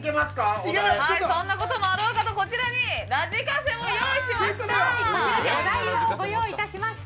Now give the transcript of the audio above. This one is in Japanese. そんなこともあろうかとこちらにお題をご用意しました。